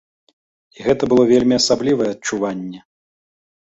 І гэта было вельмі асаблівае адчуванне.